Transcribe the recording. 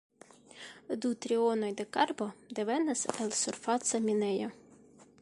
Du trionoj de karbo devenas el surfaca minejo.